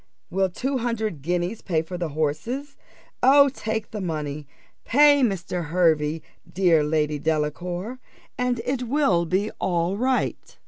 Will two hundred guineas pay for the horses? Oh, take the money pay Mr. Hervey, dear Lady Delacour, and it will all be right."